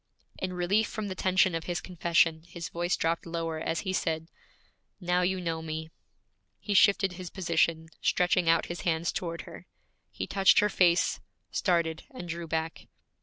In relief from the tension of his confession, his voice dropped lower as he said, 'Now you know me!' He shifted his position, stretching out his hands toward her. He touched her face, started, and drew back.